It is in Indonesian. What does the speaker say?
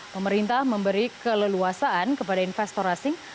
pemerintah memberi keleluasaan kepada investor asing